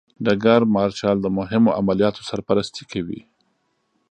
ډګر مارشال د مهمو عملیاتو سرپرستي کوي.